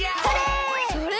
それ！